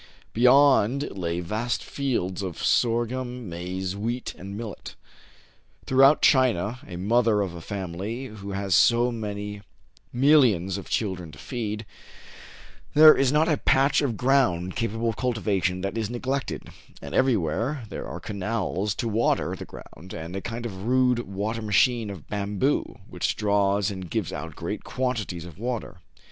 Beyond lay vast fields of sorghum, maize, wheat, and millet. Throughout China — a mother of a family who has so many millions of children to feed — there is not a patch of ground«apable of cultivation that is neglected ; and everywhere there are canals to water the ground, and a kind of rude water machine of bamboo, which draws and gives out great quantities of water.